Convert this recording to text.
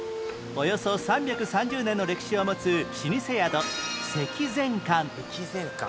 およそ３３０年の歴史を持つ老舗宿積善館積善館。